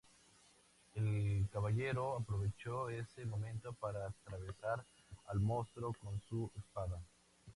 El caballero aprovechó ese momento para atravesar al monstruo con su espada.